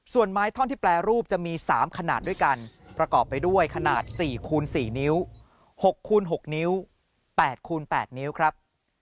ส่วนไม้ท่อนที่แปรรูปจะมี๓ขนาดด้วยกันประกอบไปด้วยขนาด๔คูณ๔นิ้ว๖คูณ๖นิ้ว๘คูณ๘นิ้วครับ